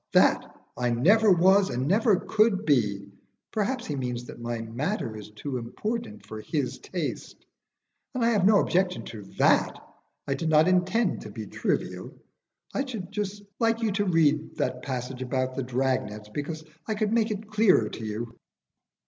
That I never was and never could be. Perhaps he means that my matter is too important for his taste; and I have no objection to that. I did not intend to be trivial. I should just like to read you that passage about the drag nets, because I could make it clearer to you."